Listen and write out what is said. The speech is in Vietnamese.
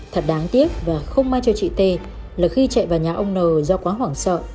thật đáng tiếc và không may cho chị t là khi chạy vào nhà ông n do quá hoảng sợ